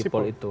ke sipol itu